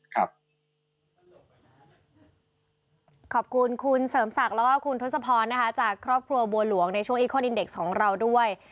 ขอบคุณคุณเสริมศักดิ์แล้วก็คุณทศพรนะคะจากครอบครัวบัวหลวงในช่วงอีคอนอินเด็กของเราด้วย